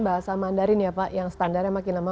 bahasa mandarin ya pak yang standarnya makin lama